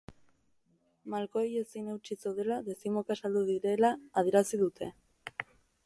Malkoei ezin eutsi zeudela, dezimoka saldu direla adierazi dute.